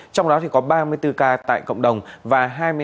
trong đó có ba mươi bốn ca